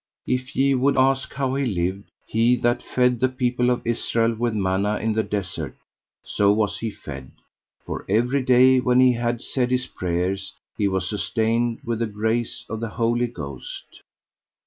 If ye would ask how he lived, He that fed the people of Israel with manna in the desert, so was he fed; for every day when he had said his prayers he was sustained with the grace of the Holy Ghost.